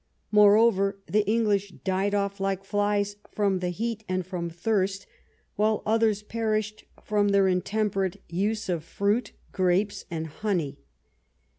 Moreover, the English died off" like flies from the heat and from thirst, while others perished from their intemperate use of fruit, grapes, and honey.